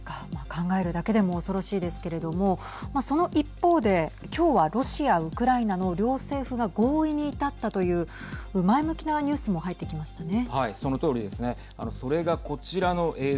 考えるだけでも恐ろしいですけれどもその一方で今日はロシア・ウクライナの両政府が合意に至ったという前向きなニュースも入ってきましたね。